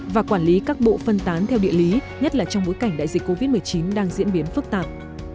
và quản lý các bộ phân tán theo địa lý nhất là trong bối cảnh đại dịch covid một mươi chín đang diễn biến phức tạp